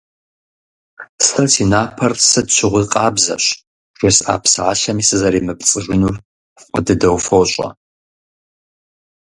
Сэ си напэр сыт щыгъуи къабзэщ, жысӀа псалъэми сызэремыпцӀыжынур фӀы дыдэу фощӀэ.